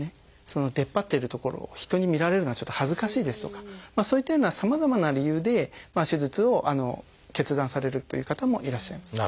その出っ張ってる所を人に見られるのはちょっと恥ずかしいですとかそういったようなさまざまな理由で手術を決断されるという方もいらっしゃいます。